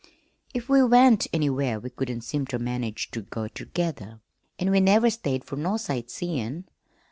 "If we went anywhere we couldn't seem ter manage ter go tergether, an' we never stayed fer no sight seein'.